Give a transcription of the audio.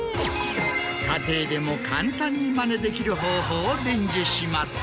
家庭でも簡単にマネできる方法を伝授します。